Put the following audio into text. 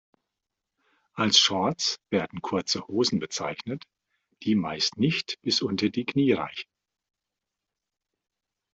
Als Shorts werden kurze Hosen bezeichnet, die meist nicht bis unter die Knie reichen.